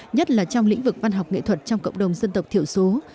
nhất là trong lĩnh vực văn học nghệ thuật trong cộng đồng dân tộc thiểu số